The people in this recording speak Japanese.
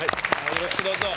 よろしくどうぞ。